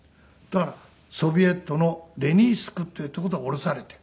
だからソビエトのレニンスクっていうとこで降ろされて。